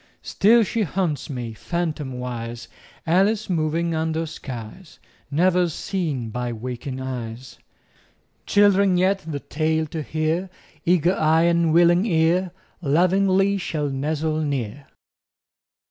Still she haunts me, phantomwise, Alice moving under skies Never seen by waking eyes. Children yet, the tale to hear, Eager eye and willing ear, Lovingly shall nestle near.